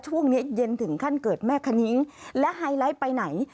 ช่วงนี้เย็นถึงขั้นเกิดแม่คณิ้งและไฮไลท์ไปไหน